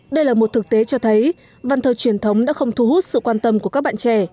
đây là một thực tế cho thấy văn thơ truyền thống đã không thu hút sự quan tâm của các bạn trẻ